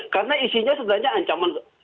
karena isinya sebenarnya ancaman